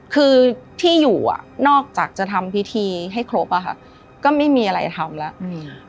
คือที่อยู่อ่ะนอกจากจะทำพิธีให้ครบอะค่ะก็ไม่มีอะไรทำแล้วอืม